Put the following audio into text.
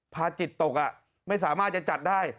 จิตตกไม่สามารถจะจัดได้